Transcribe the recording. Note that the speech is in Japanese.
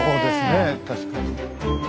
確かに。